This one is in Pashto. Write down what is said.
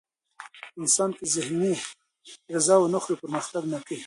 انسان که ذهني غذا ونه لري، پرمختګ نه کوي.